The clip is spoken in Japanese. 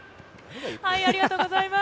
ありがとうございます。